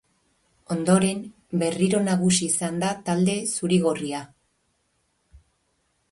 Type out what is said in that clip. Ondoren, berriro nagusi izan da talde zuri-gorria.